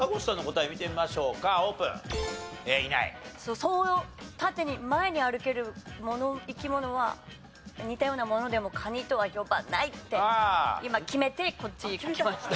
そう縦に前に歩ける生き物は似たようなものでもカニとは呼ばないって今決めてこっち書きました。